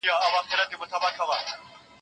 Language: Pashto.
په سلگونو یې کورونه وه لوټلي